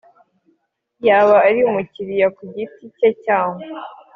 Yaba ari umukiriya ku giti cye cyangwa